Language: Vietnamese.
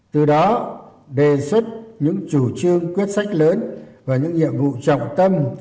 từ đó đề xuất những chủ trương quyết sách lớn và những nhiệm vụ trọng tâm